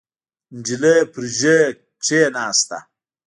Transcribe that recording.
نجلۍ پر ژۍ کېناسته.